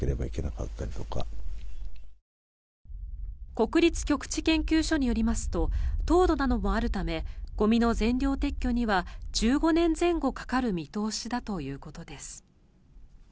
国立極地研究所によりますと凍土などもあるためゴミの全量撤去には１５年前後かかる見通しだということです。